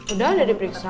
udah udah diperiksa